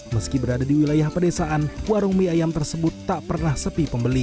meski berada di wilayah pedesaan warung mie ayam tersebut tak pernah sepi pembeli